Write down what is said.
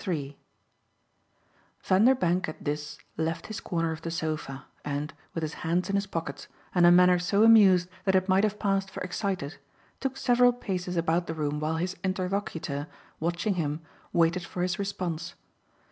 III Vanderbank at this left his corner of the sofa and, with his hands in his pockets and a manner so amused that it might have passed for excited, took several paces about the room while his interlocutor, watching him, waited for his response.